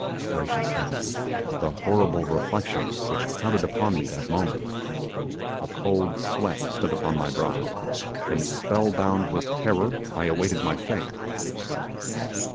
Gracious heaven! the horrible reflections which crowded upon me that moment. A cold sweat stood upon my brow, and spell bound with terror I awaited my fate!